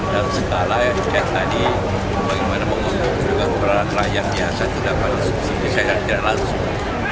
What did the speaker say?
dalam skala yang saya tadi bagaimana mengontrol dengan peran rakyatnya saya tidak langsung